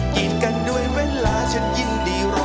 กินกันด้วยเวลาฉันยินดีรอ